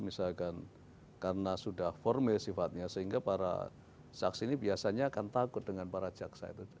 misalkan karena sudah formil sifatnya sehingga para saksi ini biasanya akan takut dengan para jaksa itu